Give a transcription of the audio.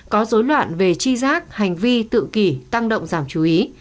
có dối loạn về chi giác hành vi tự kỷ tăng động giảm chú ý